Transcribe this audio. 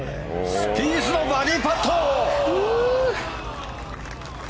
スピースのバーディーパット！